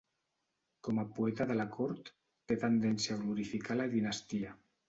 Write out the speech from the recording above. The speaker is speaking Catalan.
Com a poeta de la cort té tendència a glorificar a la dinastia.